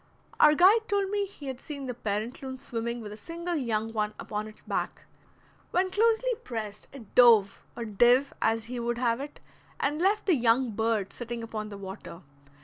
Our guide told me he had seen the parent loon swimming with a single young one upon its back. When closely pressed it dove, or "div" as he would have it, and left the young bird sitting upon the water.